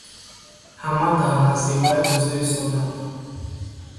Ҳама дар назди вай ҳозир истоданд.